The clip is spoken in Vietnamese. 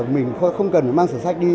mình không cần mang sửa sách đi